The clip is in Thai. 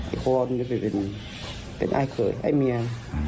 อีกคนเป็นอาจเกิดไอ้เมีย